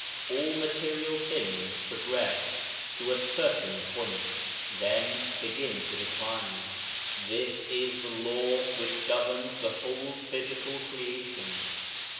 All material things progress to a certain point, then begin to decline. This is the law which governs the whole physical creation.